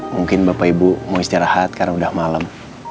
mungkin bapak ibu mau istirahat karena udah malam